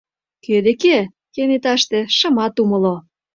— Кӧ деке? — кенеташте шымат умыло.